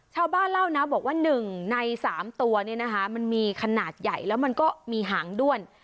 ชาวบ้านเล่านะบอกว่า๑ใน๓ตัวเนี่ยนะคะมันมีขนาดใหญ่แล้วมันก็มีหางด้วน